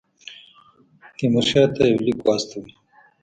تیمورشاه ته یو لیک واستوي.